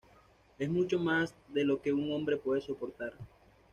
Es mucho más de lo que un hombre puede soportar.